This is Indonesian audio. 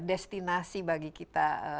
destinasi bagi kita